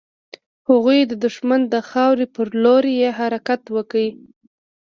هغوی د دښمن د خاورې پر لور يې حرکت وکړ.